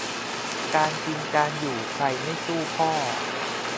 การกินการอยู่ ใครไม่สู้พ่อ